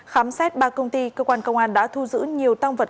khám xét ba công ty cơ quan công an đã thu giữ nhiều tăng vật